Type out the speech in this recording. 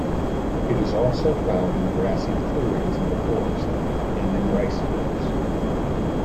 It is also found in grassy clearings in the forests and in rice fields.